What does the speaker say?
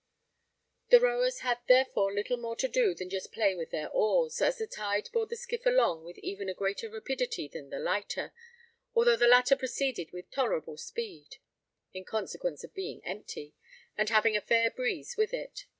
The rowers had therefore little more to do than just play with their oars, as the tide bore the skiff along with even a greater rapidity than the lighter, although the latter proceeded with tolerable speed, in consequence of being empty, and having a fair breeze with it.